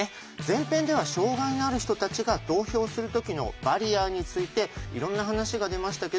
前編では障害のある人たちが投票する時のバリアについていろんな話が出ましたけど皆さん覚えてますか？